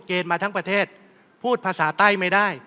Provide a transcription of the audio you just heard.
มาทั้งประเทศพูดภาษาใต้ไม่ได้